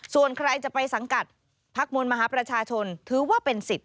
ส่วนใครจะไปสังกัดพักมวลมหาประชาชนถือว่าเป็นสิทธิ